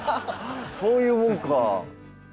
そういうもんか。